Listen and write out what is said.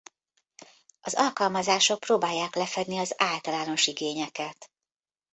Az alkalmazások próbálják lefedni az általános igényeket.